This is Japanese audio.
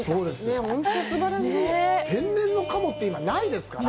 天然の鴨って、今ないですから。